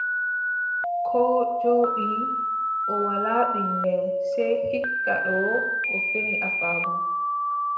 Koo jooɗi, o walaa ɓiŋngel, sey hikka doo o feni afaago.